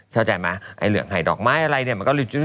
เข้าใจไหมไอ้เหลืองหายดอกไม้อะไรเนี่ยมันก็